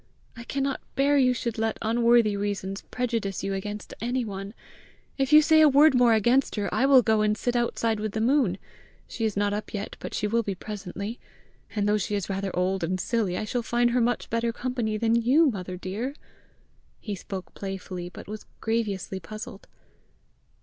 I cannot bear you should let unworthy reasons prejudice you against anyone! If you say a word more against her, I will go and sit outside with the moon. She is not up yet, but she will be presently and though she is rather old and silly, I shall find her much better company than you, mother dear!" He spoke playfully, but was grievously puzzled.